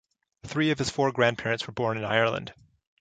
Three of his four grandparents were born in Ireland.